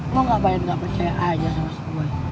lo gak payah gak percaya aja sama boy